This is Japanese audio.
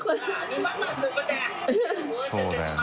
そうだね。